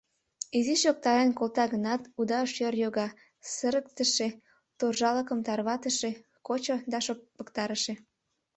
Изиш йоктарен колта гынат, уда шӧр йога: сырыктыше, торжалыкым тарватыше, кочо да шопыктарыше.